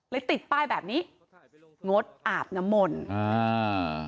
ติดป้ายแบบนี้งดอาบน้ำมนต์อ่า